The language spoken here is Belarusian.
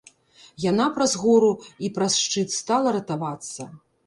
Яна праз гору і праз шчыт стала ратавацца.